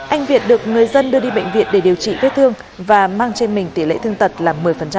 anh việt để điều trị vết thương và mang trên mình tỷ lệ thương tật là một mươi